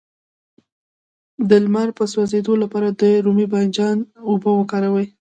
د لمر د سوځیدو لپاره د رومي بانجان اوبه وکاروئ